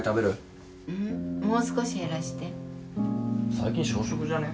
最近小食じゃね？